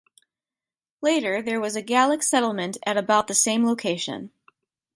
Later there was a Gallic settlement at about the same location.